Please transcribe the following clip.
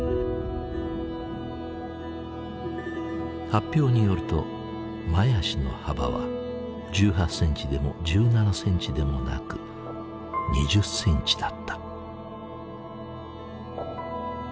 発表によると前足の幅は１８センチでも１７センチでもなく２０センチだった。